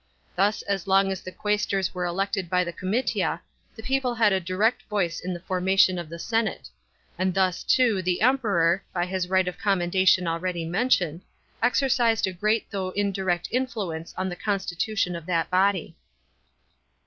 Thus as long as the quaestors were elected by the comitia, the people had a direct voice in the formation of the senate ; and thus, too, the Emperor, by his right of commendation already mentioned, exercised a great though indirect influence on the constitution of that body.